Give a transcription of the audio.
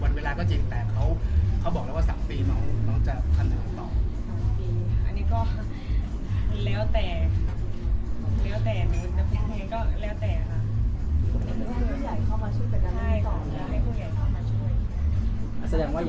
วันเวลาก็จริงแต่เขาเขาบอกแล้วว่าสามปีน้องน้องจะกันหรือเปล่า